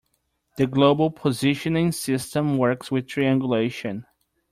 The global positioning system works with triangulation.